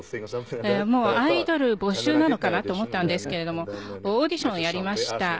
もうアイドル募集なのかなと思ったんですけれどもオーディションをやりました。